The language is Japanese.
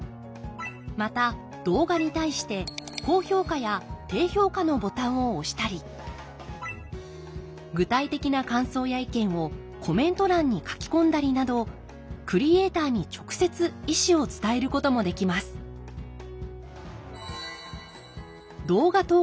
また動画に対して高評価や低評価のボタンを押したり具体的な感想や意見をコメント欄に書き込んだりなどクリエーターに直接意思を伝えることもできますんなるほど。